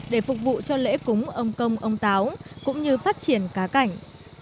để phục vụ cho lễ cúng ông công ông táo cũng như phát triển cá cảnh